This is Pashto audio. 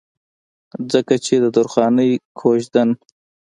ځکه چې د درخانۍ کويژدن